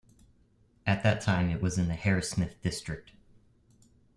At that time it was in the Harrismith district.